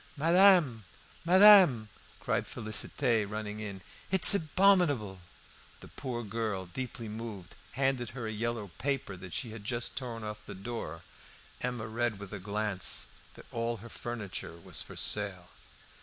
"Madame! madame!" cried Félicité, running in, "it's abominable!" And the poor girl, deeply moved, handed her a yellow paper that she had just torn off the door. Emma read with a glance that all her furniture was for sale.